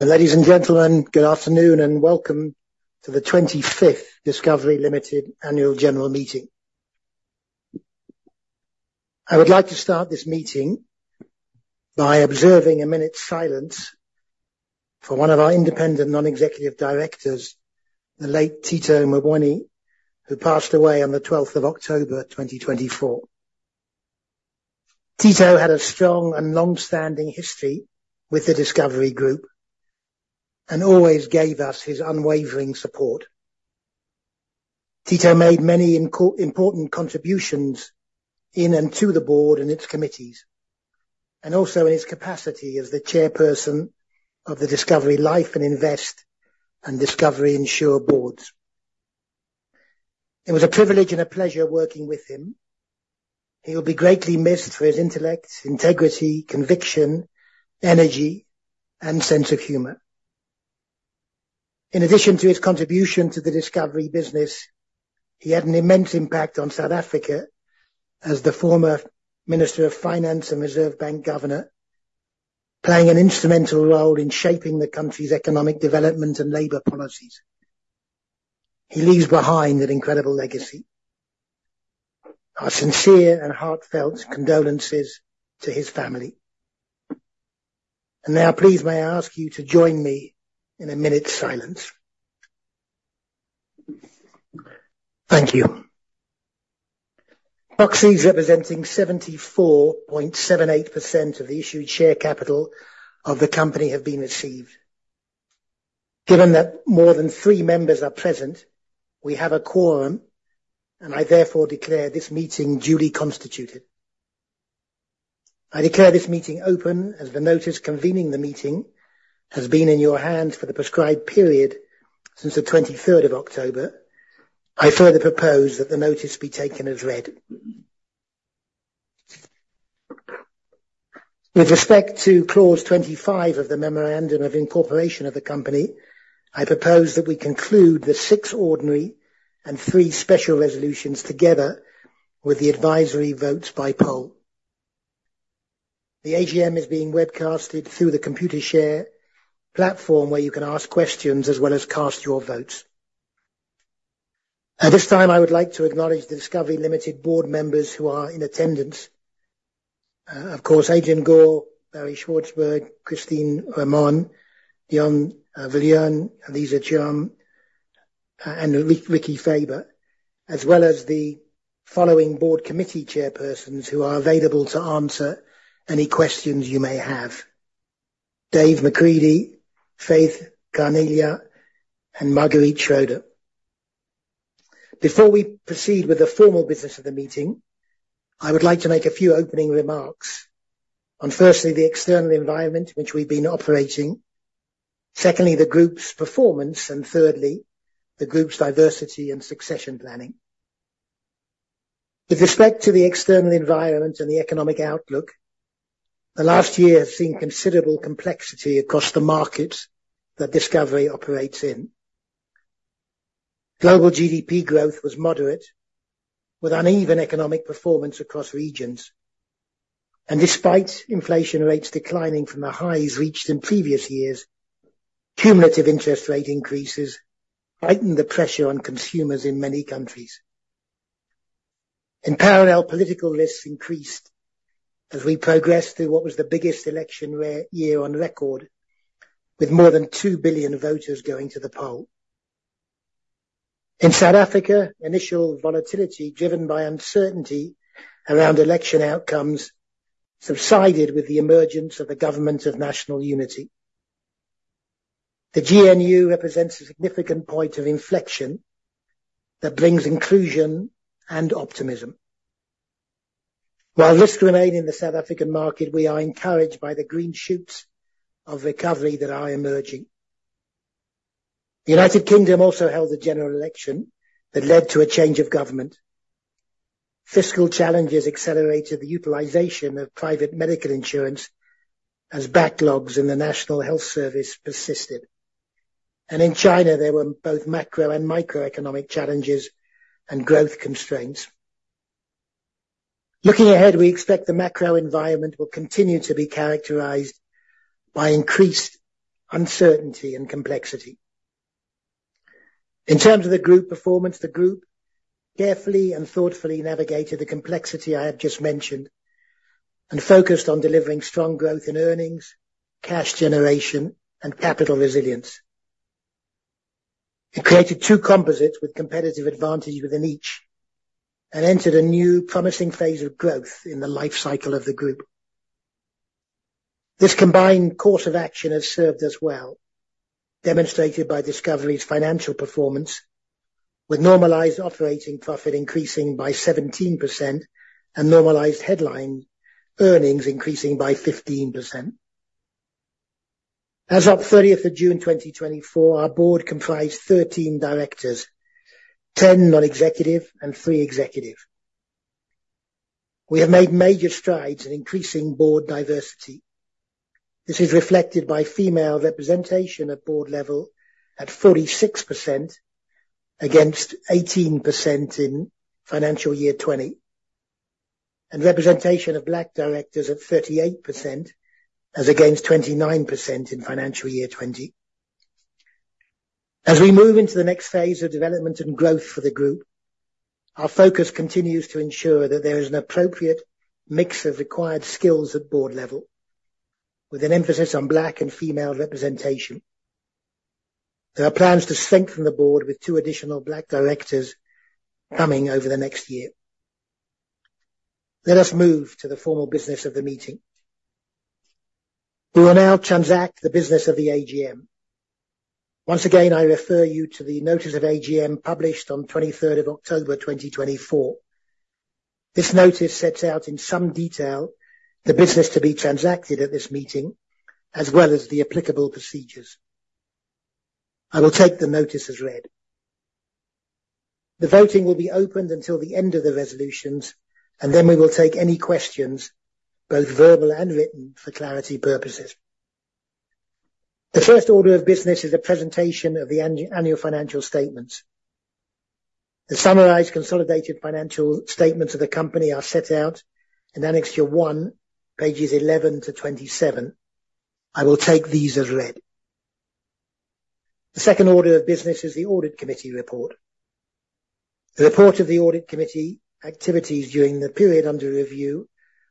Ladies and gentlemen, good afternoon and welcome to the 25th Discovery Limited Annual General Meeting. I would like to start this meeting by observing a minute's silence for one of our independent non-executive directors, the late Tito Mboweni, who passed away on the 12th of October 2024. Tito had a strong and long-standing history with the Discovery Group and always gave us his unwavering support. Tito made many important contributions in and to the board and its committees, and also in his capacity as the chairperson of the Discovery Life and Invest and Discovery Insure boards. It was a privilege and a pleasure working with him. He will be greatly missed for his intellect, integrity, conviction, energy, and sense of humor. In addition to his contribution to the Discovery business, he had an immense impact on South Africa as the former Minister of Finance and Reserve Bank Governor, playing an instrumental role in shaping the country's economic development and labor policies. He leaves behind an incredible legacy. Our sincere and heartfelt condolences to his family. Now, please, may I ask you to join me in a minute's silence? Thank you. Proxies representing 74.78% of the issued share capital of the company have been received. Given that more than three members are present, we have a quorum, and I therefore declare this meeting duly constituted. I declare this meeting open as the notice convening the meeting has been in your hands for the prescribed period since the 23rd of October. I further propose that the notice be taken as read. With respect to clause 25 of the Memorandum of Incorporation of the company, I propose that we conclude the six ordinary and three special resolutions together with the advisory votes by poll. The AGM is being webcasted through the Computershare platform where you can ask questions as well as cast your votes. At this time, I would like to acknowledge the Discovery Limited board members who are in attendance. Of course, Adrian Gore, Barry Swartzberg, Christine Ramon, Deon Viljoen, Lisa Chiume, and Richard Farber, as well as the following board committee chairpersons who are available to answer any questions you may have: David Macready, Faith Khanyile, and Marquerithe Schreuder. Before we proceed with the formal business of the meeting, I would like to make a few opening remarks on, firstly, the external environment in which we've been operating, secondly, the group's performance, and thirdly, the group's diversity and succession planning. With respect to the external environment and the economic outlook, the last year has seen considerable complexity across the markets that Discovery operates in. Global GDP growth was moderate, with uneven economic performance across regions, and despite inflation rates declining from the highs reached in previous years, cumulative interest rate increases heightened the pressure on consumers in many countries. In parallel, political risks increased as we progressed through what was the biggest election year on record, with more than 2 billion voters going to the poll. In South Africa, initial volatility driven by uncertainty around election outcomes subsided with the emergence of the Government of National Unity. The GNU represents a significant point of inflection that brings inclusion and optimism. While risks remain in the South African market, we are encouraged by the green shoots of recovery that are emerging. The United Kingdom also held a general election that led to a change of government. Fiscal challenges accelerated the utilization of private medical insurance as backlogs in the National Health Service persisted, and in China, there were both macro and microeconomic challenges and growth constraints. Looking ahead, we expect the macro environment will continue to be characterized by increased uncertainty and complexity. In terms of the group performance, the group carefully and thoughtfully navigated the complexity I have just mentioned and focused on delivering strong growth in earnings, cash generation, and capital resilience. It created two composites with competitive advantage within each and entered a new promising phase of growth in the life cycle of the group. This combined course of action has served us well, demonstrated by Discovery's financial performance, with normalized operating profit increasing by 17% and normalized headline earnings increasing by 15%. As of 30th of June 2024, our board comprised 13 directors, 10 non-executive and 3 executive. We have made major strides in increasing board diversity. This is reflected by female representation at board level at 46% against 18% in financial year 2020, and representation of Black directors at 38% as against 29% in financial year 2020. As we move into the next phase of development and growth for the group, our focus continues to ensure that there is an appropriate mix of required skills at board level, with an emphasis on Black and female representation. There are plans to strengthen the board with two additional Black directors coming over the next year. Let us move to the formal business of the meeting. We will now transact the business of the AGM. Once again, I refer you to the notice of AGM published on 23rd of October 2024. This notice sets out in some detail the business to be transacted at this meeting, as well as the applicable procedures. I will take the notice as read. The voting will be opened until the end of the resolutions, and then we will take any questions, both verbal and written, for clarity purposes. The first order of business is a presentation of the annual financial statements. The summarized consolidated financial statements of the company are set out in Annex 1, pages 11-27. I will take these as read. The second order of business is the audit committee report. The report of the Audit Committee activities during the period under review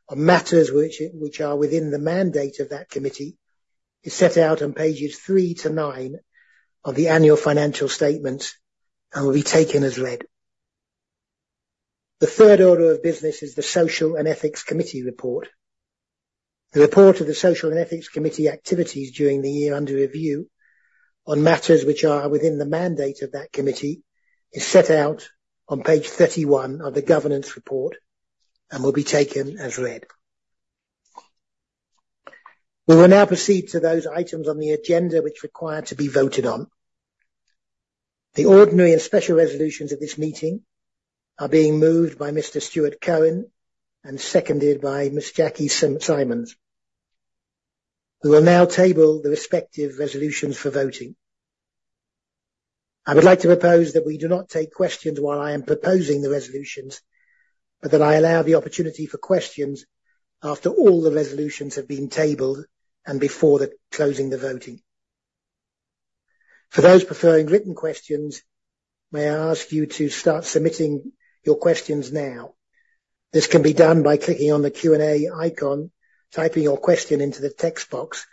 on matters which are within the mandate of that committee is set out on pages 3-9 of the annual financial statements and will be taken as read. The third order of business is the Social and Ethics Committee Report. The report of the Social and Ethics Committee activities during the year under review on matters which are within the mandate of that committee is set out on page 31 of the governance report and will be taken as read. We will now proceed to those items on the agenda which require to be voted on. The ordinary and special resolutions of this meeting are being moved by Mr. Stuart Cohen and seconded by Ms. Jackie Symons. We will now table the respective resolutions for voting. I would like to propose that we do not take questions while I am proposing the resolutions, but that I allow the opportunity for questions after all the resolutions have been tabled and before closing the voting. For those preferring written questions, may I ask you to start submitting your questions now? This can be done by clicking on the Q&A icon, typing your question into the text box,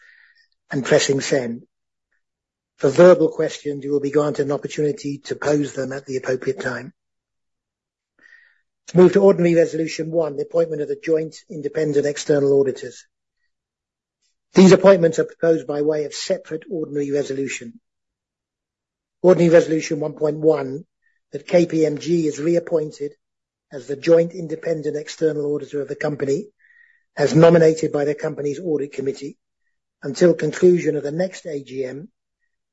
and pressing send. For verbal questions, you will be granted an opportunity to pose them at the appropriate time. To move to ordinary resolution one, the appointment of the joint independent external auditors. These appointments are proposed by way of separate ordinary resolution. Ordinary resolution 1.1 that KPMG is reappointed as the joint independent external auditor of the company as nominated by the company's audit committee until conclusion of the next AGM,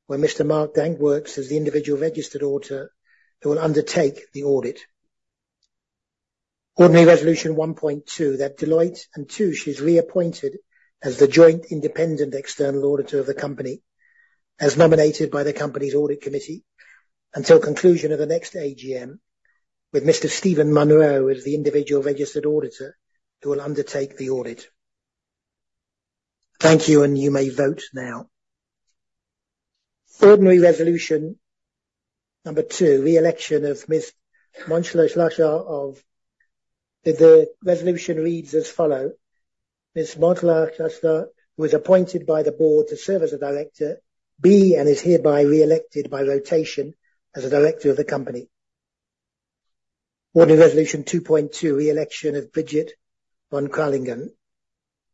where Mr. Mark Danckwerts as the individual registered auditor who will undertake the audit. Ordinary resolution 1.2 that Deloitte & Touche is reappointed as the joint independent external auditor of the company as nominated by the company's audit committee until conclusion of the next AGM, with Mr. Stephen Munro as the individual registered auditor who will undertake the audit. Thank you, and you may vote now. Ordinary resolution number 2, reelection of Ms. Monhla Hlahla. The resolution reads as follows. Ms. Monhla Hlahla was appointed by the board to serve as a director being and is hereby reelected by rotation as a director of the company. Ordinary resolution 2.2, reelection of Bridget van Kralingen.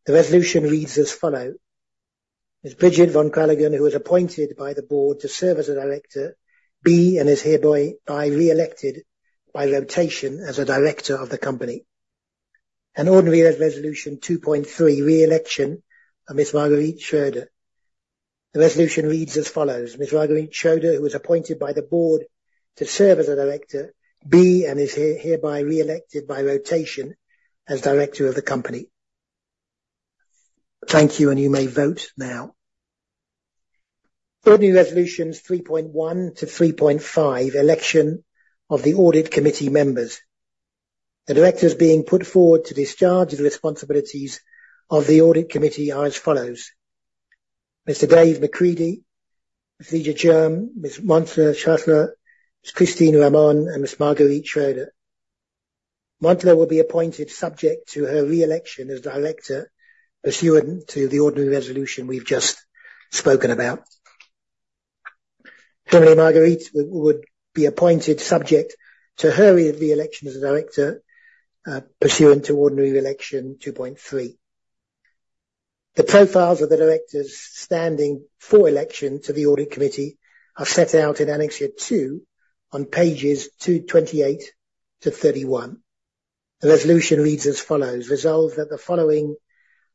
The resolution reads as follows. Ms. Bridget van Kralingen, who was appointed by the board to serve as a director being and is hereby reelected by rotation as a director of the company. Ordinary resolution 2.3, reelection of Ms. Marquerithe Schreuder. The resolution reads as follows. Ms. Marquerithe Schreuder, who was appointed by the board to serve as a director, being and is hereby reelected by rotation as director of the company. Thank you, and you may vote now. Ordinary resolutions 3.1-3.5, election of the audit committee members. The directors being put forward to discharge the responsibilities of the audit committee are as follows. Mr. David Macready, Ms. Lisa Chiume, Mr. Sango Ntsaluba, Ms. Christine Ramon, and Ms. Marquerithe Schreuder. Sango will be appointed subject to her reelection as director pursuant to the ordinary resolution we've just spoken about. Similarly, Marquerithe would be appointed subject to her reelection as a director pursuant to ordinary resolution 2.3. The profiles of the directors standing for election to the audit committee are set out in Annex 2 on pages 28-31. The resolution reads as follows. Resolve that the following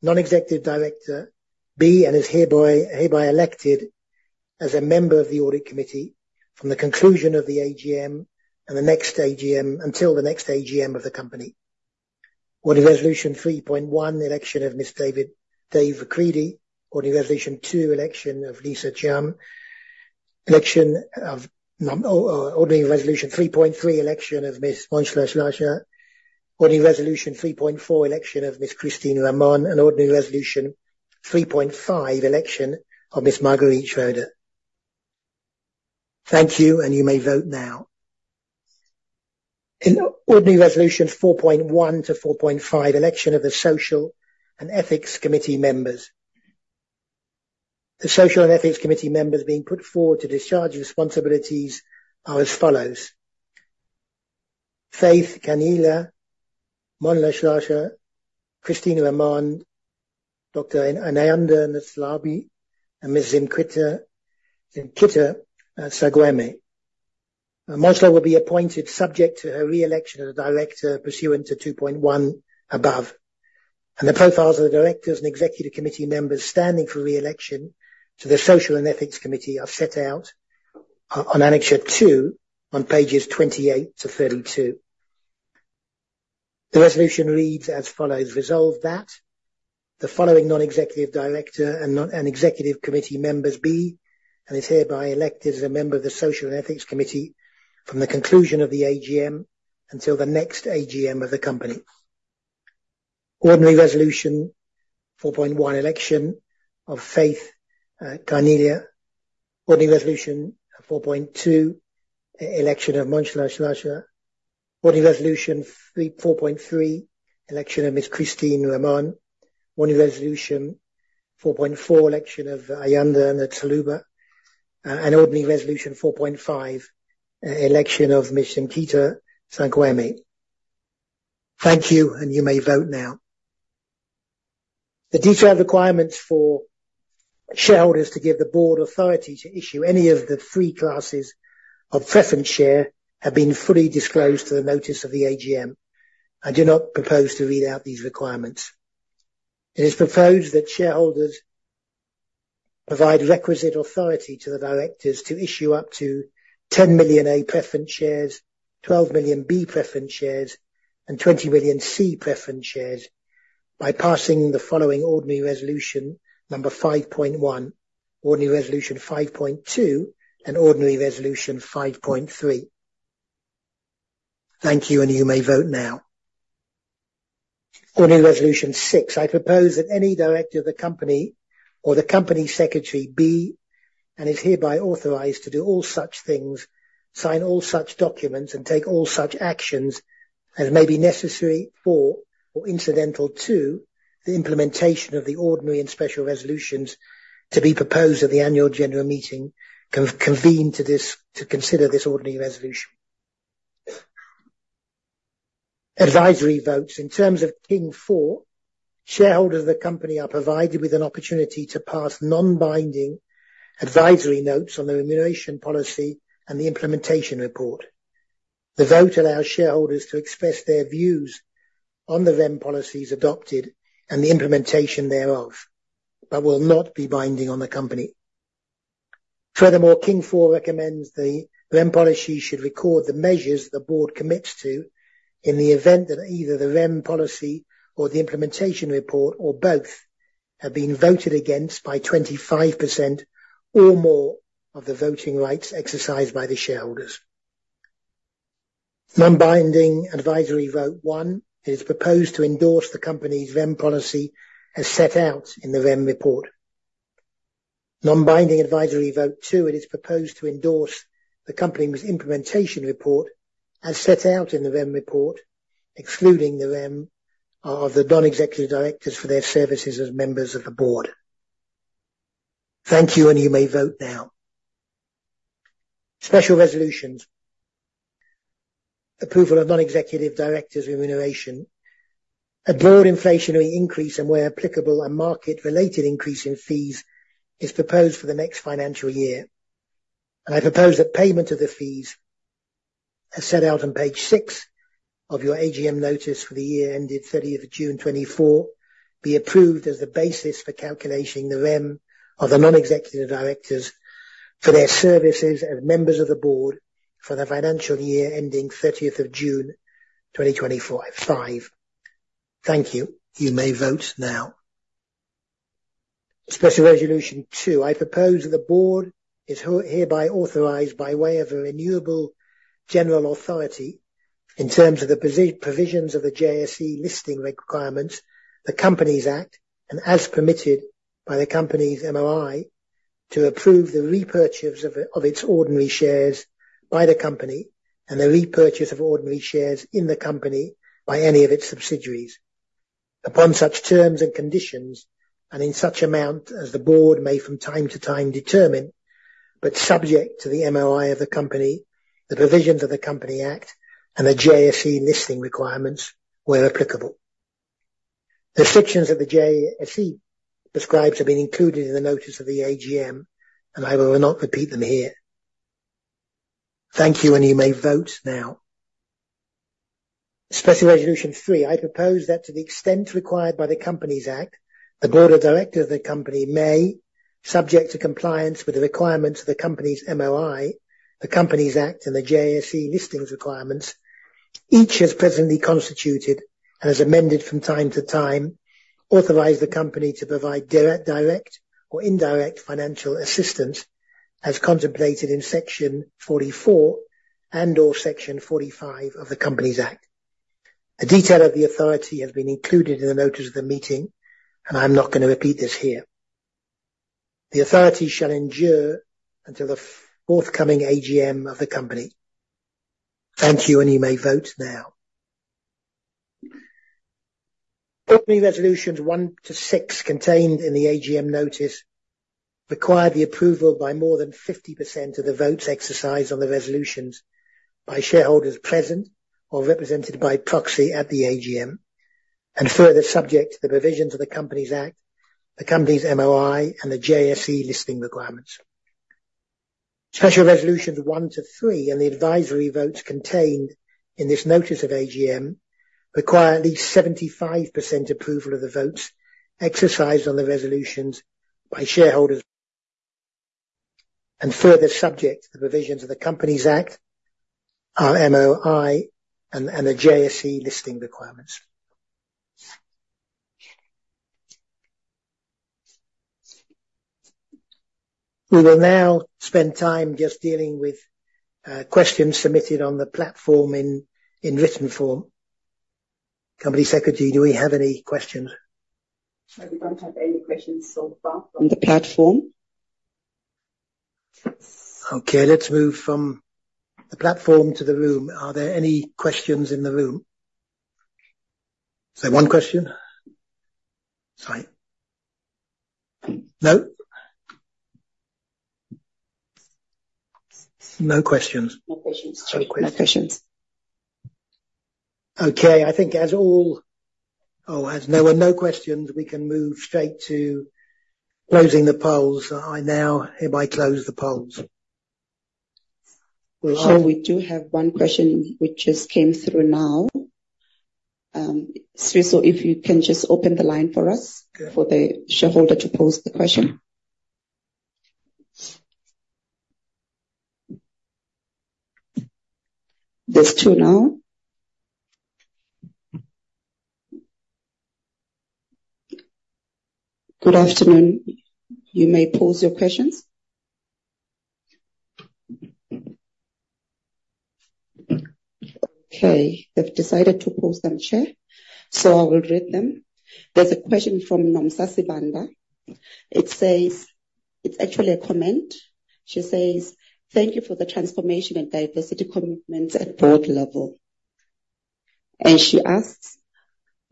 non-executive director is hereby elected as a member of the Audit Committee from the conclusion of the AGM and the next AGM until the next AGM of the company. Ordinary resolution 3.1, election of Mr. David Macready. Ordinary resolution 2, election of Lisa Chiume. Ordinary resolution 3.3, election of Ms. Monhla Hlahla. Ordinary resolution 3.4, election of Ms. Christine Ramon. And ordinary resolution 3.5, election of Ms. Marquerithe Schreuder. Thank you, and you may vote now. Ordinary resolution 4.1-4.5, election of the Social and Ethics Committee members. The Social and Ethics Committee members being put forward to discharge responsibilities are as follows. Faith Khanyile, Monhla Hlahla, Christine Ramon, Dr. Ayanda Ntsaluba, and Ms. Zimkhitha Saungweme. Monhla will be appointed subject to her reelection as a director pursuant to 2.1 above. The profiles of the directors and executive committee members standing for reelection to the Social and Ethics Committee are set out on Annex 2 on pages 28-32. The resolution reads as follows. Resolve that the following non-executive director and executive committee members be and are hereby elected as a member of the Social and Ethics Committee from the conclusion of the AGM until the next AGM of the company. Ordinary resolution 4.1, election of Faith Khanyile. Ordinary resolution 4.2, election of Monhla Hlahla. Ordinary resolution 4.3, election of Ms. Christine Ramon. Ordinary resolution 4.4, election of Ayanda Ntsaluba. Ordinary resolution 4.5, election of Ms. Zimkhitha Saungweme. Thank you, and you may vote now. The detailed requirements for shareholders to give the board authority to issue any of the three classes of preference share have been fully disclosed in the notice of the AGM. I do not propose to read out these requirements. It is proposed that shareholders provide requisite authority to the directors to issue up to 10 million A preference shares, 12 million B preference shares, and 20 million C preference shares by passing the following ordinary resolution number 5.1, ordinary resolution 5.2, and ordinary resolution 5.3. Thank you, and you may vote now. Ordinary resolution 6. I propose that any director of the company or the company secretary be and is hereby authorized to do all such things, sign all such documents, and take all such actions as may be necessary for or incidental to the implementation of the ordinary and special resolutions to be proposed at the annual general meeting convened to consider this ordinary resolution. Advisory votes. In terms of King IV, shareholders of the company are provided with an opportunity to pass non-binding advisory votes on the remuneration policy and the implementation report. The vote allows shareholders to express their views on the REM policies adopted and the implementation thereof, but will not be binding on the company. Furthermore, King IV recommends the REM policy should record the measures the board commits to in the event that either the REM policy or the implementation report or both have been voted against by 25% or more of the voting rights exercised by the shareholders. Non-binding advisory vote 1, it is proposed to endorse the company's REM policy as set out in the REM report. Non-binding advisory vote 2. It is proposed to endorse the company's implementation report as set out in the REM report, excluding the REM of the non-executive directors for their services as members of the board. Thank you, and you may vote now. Special resolutions. Approval of non-executive directors' remuneration. A broad inflationary increase and, where applicable, a market-related increase in fees is proposed for the next financial year. I propose that payment of the fees as set out on page 6 of your AGM notice for the year ended 30th of June 2024 be approved as the basis for calculating the REM of the non-executive directors for their services as members of the board for the financial year ending 30th of June 2025. Thank you. You may vote now. Special resolution 2. I propose that the board is hereby authorized by way of a renewable general authority in terms of the provisions of the JSE Listings Requirements, the Companies Act, and as permitted by the company's MOI to approve the repurchase of its ordinary shares by the company and the repurchase of ordinary shares in the company by any of its subsidiaries. Upon such terms and conditions and in such amount as the board may from time to time determine, but subject to the MOI of the company, the provisions of the Companies Act and the JSE Listings Requirements where applicable. The restrictions that the JSE prescribes have been included in the notice of the AGM, and I will not repeat them here. Thank you, and you may vote now. Special Resolution 3. I propose that to the extent required by the Companies Act, the board of directors of the company may, subject to compliance with the requirements of the company's MOI, the Companies Act, and the JSE Listings Requirements, each as presently constituted and as amended from time to time, authorize the company to provide direct or indirect financial assistance as contemplated in section 44 and/or section 45 of the Companies Act. The detail of the authority has been included in the notice of the meeting, and I'm not going to repeat this here. The authority shall endure until the forthcoming AGM of the company. Thank you, and you may vote now. Ordinary resolutions 1-6 contained in the AGM notice require the approval by more than 50% of the votes exercised on the resolutions by shareholders present or represented by proxy at the AGM, and further subject to the provisions of the Companies Act, the company's MOI, and the JSE Listings Requirements. Special resolutions 1 to 3 and the advisory votes contained in this notice of AGM require at least 75% approval of the votes exercised on the resolutions by shareholders, and further subject to the provisions of the Companies Act, our MOI, and the JSE Listings Requirements. We will now spend time just dealing with questions submitted on the platform in written form. Company secretary, do we have any questions? We don't have any questions so far from the platform. Okay. Let's move from the platform to the room. Are there any questions in the room? Is there one question? Sorry. No? No questions. Okay. I think, as well. Oh, as there were no questions, we can move straight to closing the polls. I now hereby close the polls. So we do have one question which just came through now. So if you can just open the line for us for the shareholder to post the question. There's two now. Good afternoon. You may pose your questions. Okay. They've decided to post them, Chair. So I will read them. There's a question from Nomsazi Banda. It's actually a comment. She says, "Thank you for the transformation and diversity commitments at board level." And she asks,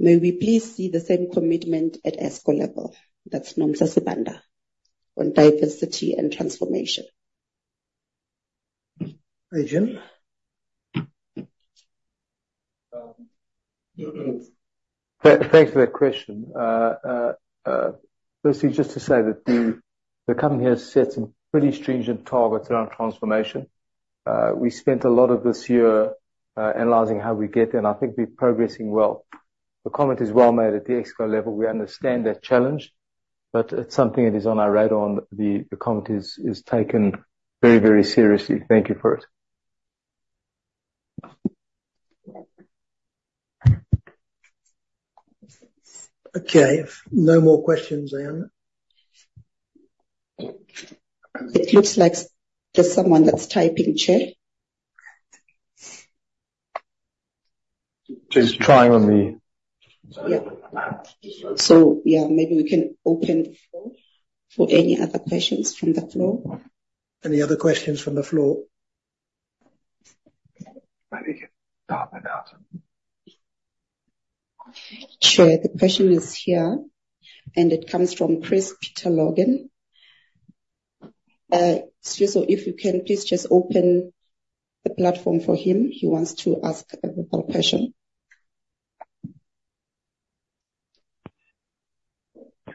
"May we please see the same commitment at Exco level?" That's Nomsazi Banda on diversity and transformation. Adrian? Thanks for that question. Firstly, just to say that the company has set some pretty stringent targets around transformation. We spent a lot of this year analyzing how we get there, and I think we're progressing well. The comment is well made at the Exco level. We understand that challenge, but it's something that is on our radar. The comment is taken very, very seriously. Thank you for it. Okay. No more questions, Ayanda? It looks like there's someone that's typing, Chair. She's trying on the. Yep. So yeah, maybe we can open the floor for any other questions from the floor. Any other questions from the floor? Chair, the question is here, and it comes from Chris Logan. So if you can, please just open the platform for him. He wants to ask a verbal question.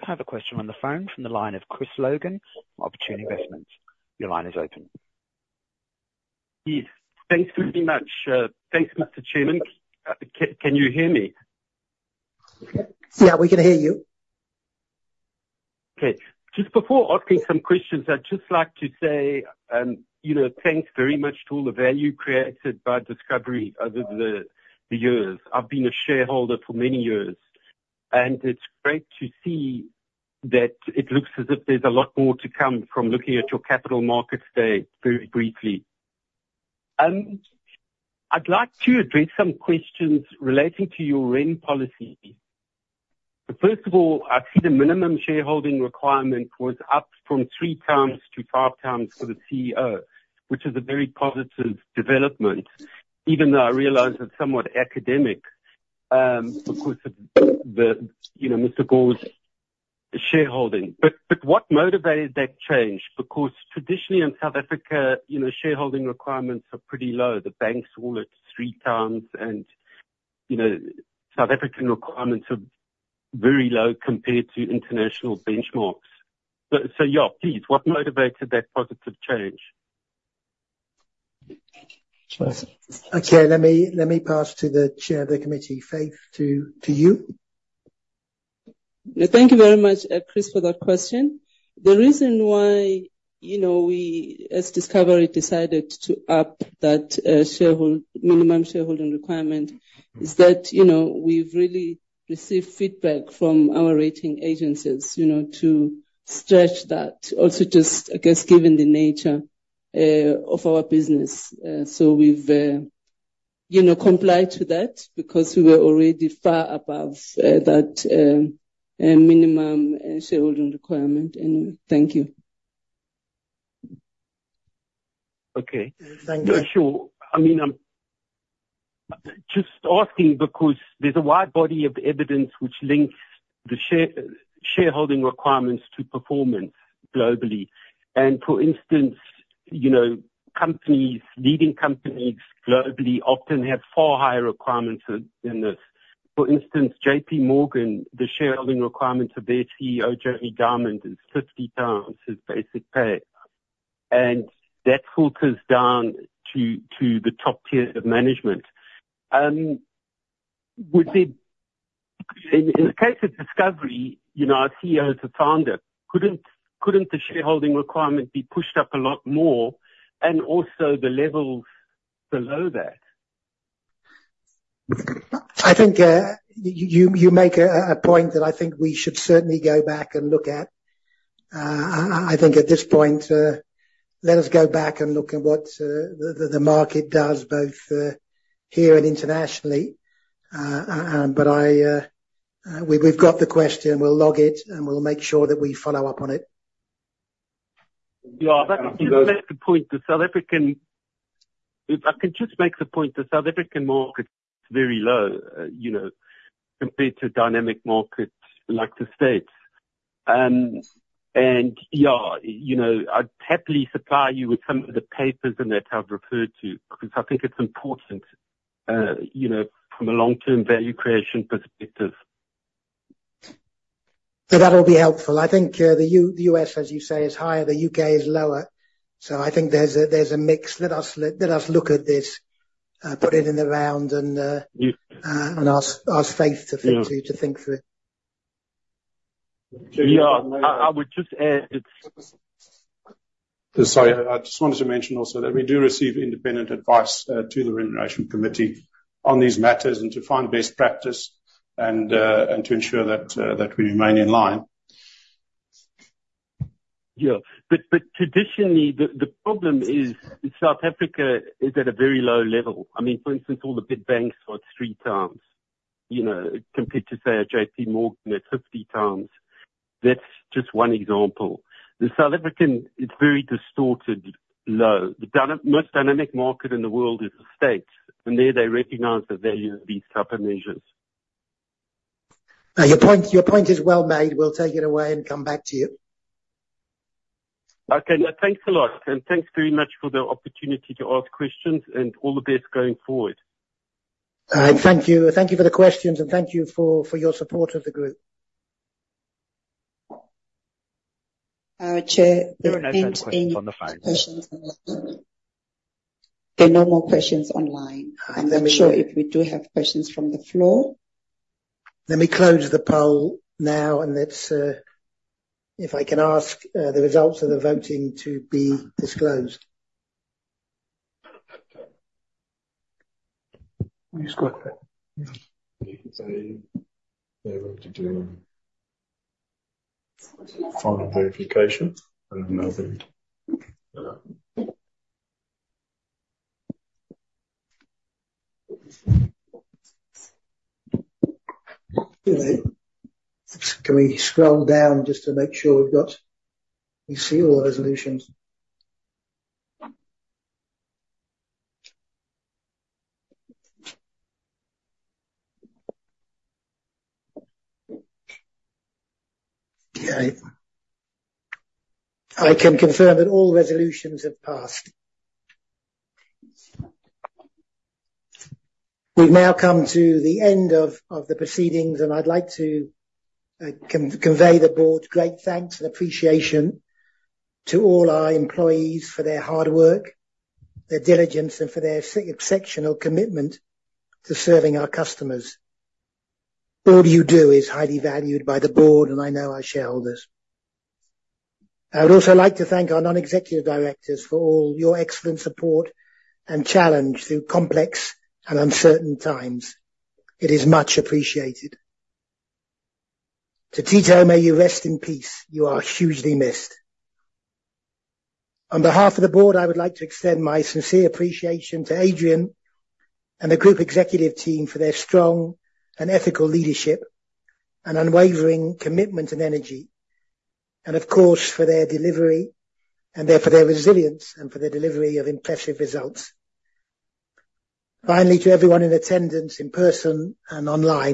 I have a question on the phone from the line of Chris Logan, Opportune Investments. Your line is open. Thanks very much. Thanks, Mr. Chairman. Can you hear me? Yeah, we can hear you. Okay. Just before asking some questions, I'd just like to say thanks very much to all the value created by Discovery over the years. I've been a shareholder for many years, and it's great to see that it looks as if there's a lot more to come from looking at your Capital Markets Day very briefly. I'd like to address some questions relating to your REM policy. First of all, I see the minimum shareholding requirement was up from three times to five times for the CEO, which is a very positive development, even though I realize it's somewhat academic because of Mr. Gore's shareholding. But what motivated that change? Because traditionally in South Africa, shareholding requirements are pretty low. The bank's rule is three times, and South African requirements are very low compared to international benchmarks. So yeah, please, what motivated that positive change? Okay. Let me pass to the chair of the committee. Faith, to you. Thank you very much, Chris, for that question. The reason why we, as Discovery, decided to up that minimum shareholding requirement is that we've really received feedback from our rating agencies to stretch that. Also, just, I guess, given the nature of our business, so we've complied to that because we were already far above that minimum shareholding requirement. Anyway, thank you. Okay. Thank you. Sure. I mean, I'm just asking because there's a wide body of evidence which links the shareholding requirements to performance globally. And for instance, leading companies globally often have far higher requirements than this. For instance, JPMorgan, the shareholding requirement of their CEO, Jamie Dimon, is 50x his basic pay. And that filters down to the top tier of management. In the case of Discovery, our CEO is a founder. Couldn't the shareholding requirement be pushed up a lot more and also the levels below that? I think you make a point that I think we should certainly go back and look at. I think at this point, let us go back and look at what the market does both here and internationally. But we've got the question, and we'll log it, and we'll make sure that we follow up on it. Yeah. I can just make the point to South African markets very low compared to dynamic markets like the States. And yeah, I'd happily supply you with some of the papers in that I've referred to because I think it's important from a long-term value creation perspective. So that will be helpful. I think the U.S., as you say, is higher. The U.K. is lower. So I think there's a mix. Let us look at this, put it in the round, and ask Faith to think through it. Yeah. I would just add that, sorry. I just wanted to mention also that we do receive independent advice to the remuneration committee on these matters and to find best practice and to ensure that we remain in line. Yeah. But traditionally, the problem is South Africa is at a very low level. I mean, for instance, all the big banks are at three times compared to, say, a JPMorgan at 50 times. That's just one example. The South African is very distorted low. The most dynamic market in the world is the States, and there they recognize the value of these type of measures. Your point is well made. We'll take it away and come back to you. Okay. Thanks a lot. And thanks very much for the opportunity to ask questions, and all the best going forward. Thank you. Thank you for the questions, and thank you for your support of the group. Chair, there are no more questions online. I'm not sure if we do have questions from the floor. Let me close the poll now, and if I can ask the results of the voting to be disclosed. Can we scroll down just to make sure we see all the resolutions? Okay. I can confirm that all resolutions have passed. We've now come to the end of the proceedings, and I'd like to convey the board's great thanks and appreciation to all our employees for their hard work, their diligence, and for their exceptional commitment to serving our customers. All you do is highly valued by the board, and I know our shareholders. I would also like to thank our non-executive directors for all your excellent support and challenge through complex and uncertain times. It is much appreciated. To Tito, may you rest in peace. You are hugely missed. On behalf of the board, I would like to extend my sincere appreciation to Adrian and the group executive team for their strong and ethical leadership and unwavering commitment and energy, and of course, for their delivery and for their resilience and for their delivery of impressive results. Finally, to everyone in attendance in person and online.